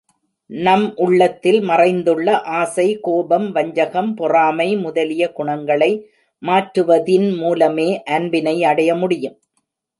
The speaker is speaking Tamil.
நம் உள்ளத்தில் மறைந்துள்ள ஆசை, கோபம், வஞ்சகம், பொறாமை முதலிய குணங்களை மாற்றுவதின் மூலமே அன்பினை அடைய முடியும்.